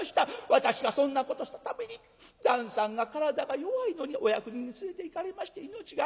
私がそんなことしたために旦さんが体が弱いのにお役人に連れていかれまして命が危ない。